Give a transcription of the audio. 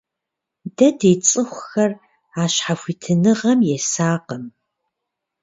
Дэ ди цӀыхухэр а щхьэхуитыныгъэм есакъым.